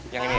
yang ini ya